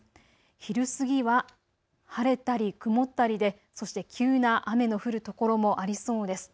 昼過ぎは晴れたり曇ったりでそして急な雨の降る所もありそうです。